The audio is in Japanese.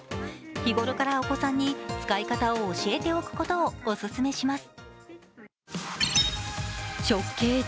日頃からお子さんに使い方を教えておくことをお勧めします。